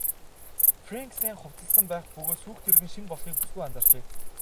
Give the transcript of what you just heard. Фрэнк сайн хувцасласан байх бөгөөд сүйх тэрэг нь шинэ болохыг бүсгүй анзаарчээ.